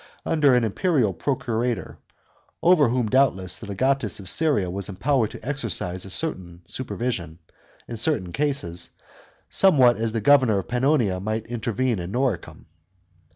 under an imperial procurator, over whom doubtless the legatus of Syria was em powered to exercise a certain supervision, in certain cases, some what as the governor of Pannonia might intervene in Noricum.